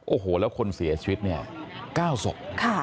โอ้โหแล้วคนเสียชีวิตเนี่ย๙ศพ